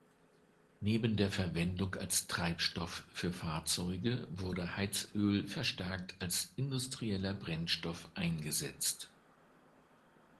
Neben der Verwendung als Treibstoff für Fahrzeuge wurde Heizöl verstärkt als industrieller Brennstoff eingesetzt.